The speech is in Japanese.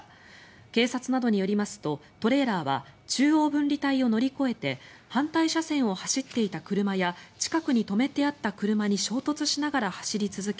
警察などによりますとトレーラーは中央分離帯を乗り越えて反対車線を走っていた車や近くに止めてあった車に衝突しながら走り続け